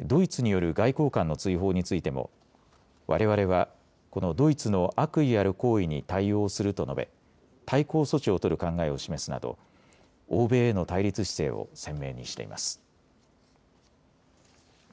ドイツによる外交官の追放についてもわれわれは、このドイツの悪意ある行為に対応すると述べ対抗措置を取る考えを示すなど欧米への対立姿勢を鮮明にしています。